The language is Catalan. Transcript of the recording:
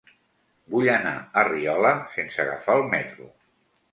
Vull anar a Riola sense agafar el metro.